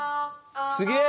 すげえ！